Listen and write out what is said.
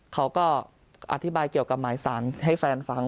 เขาก็อธิบายเกี่ยวกับหมายสารให้แฟนฟัง